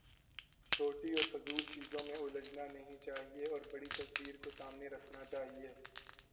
چھوٹی اور فضول چیزوں میں الجھنا نہیں چاہیے اور بڑی تصویر کو سامنے رکھنا چاہیے۔